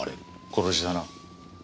殺しだな。